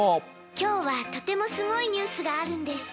「今日は、とてもすごいニュースがあるんです。